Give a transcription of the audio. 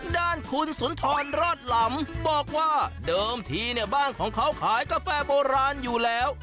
ด้านคุณสุนทรรอดหลำบอกว่าเดิมทีเนี่ยบ้านของเขาขายกาแฟโบราณอยู่แล้ว